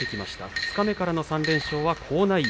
二日目からの３連勝は好内容。